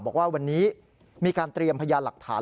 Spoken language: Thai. บอกว่าวันนี้มีการเตรียมพยานหลักฐาน